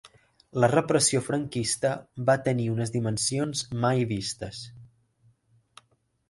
La repressió franquista va tenir unes dimensions mai vistes.